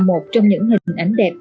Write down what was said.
một trong những hình ảnh đẹp